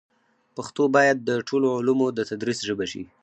پښتو باید د ټولو علومو د تدریس ژبه شي.